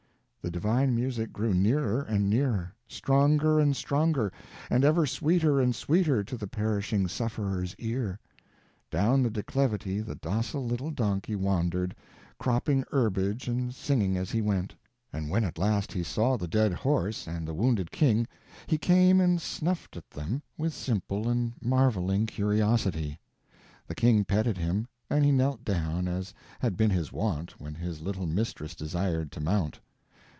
The divine music grew nearer and nearer, stronger and stronger and ever sweeter and sweeter to the perishing sufferer's ear. Down the declivity the docile little donkey wandered, cropping herbage and singing as he went; and when at last he saw the dead horse and the wounded king, he came and snuffed at them with simple and marveling curiosity. The king petted him, and he knelt down as had been his wont when his little mistress desired to mount.